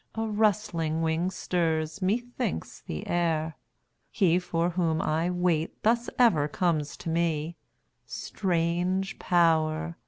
a rustling wing stirs, methinks, the air: He for whom I wait, thus ever comes to me; Strange Power!